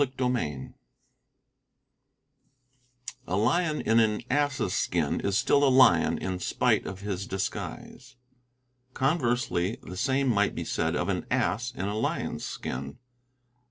CHAPTER IV A Lion in an ass's skin is still a lion in spite of his disguise. Conversely, the same might be said of an ass in a lion's skin.